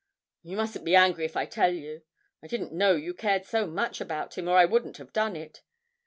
'You mustn't be angry if I tell you. I didn't know you cared so much about him, or I wouldn't have done it.